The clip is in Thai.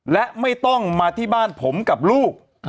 และไม่ต้องมาที่บ้านผมกับลูก